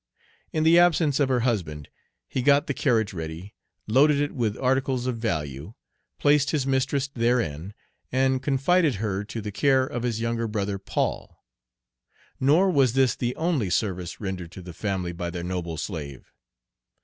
In the absence of her husband he got the carriage ready, loaded it with articles of value, placed his mistress therein, and confided her to the care of his younger brother, Paul. Nor was this the only service rendered to the family by their noble slave.